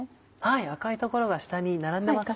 赤い所が下に並んでますね。